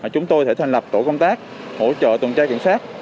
chúng tôi sẽ thành lập tổ công tác hỗ trợ tuần tra kiểm soát